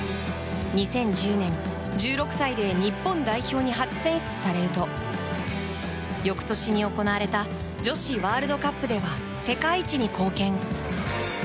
１６歳で日本代表に初選出されると翌年に行われた女子ワールドカップでは世界一に貢献。